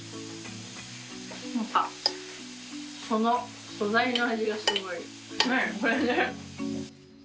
その素材の味がすごい。